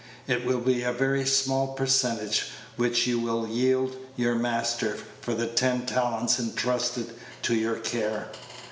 It will be a very small percentage which you will yield your Master for the ten talents intrusted to your care.